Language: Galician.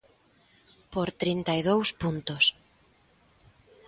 Por trinta e dous puntos.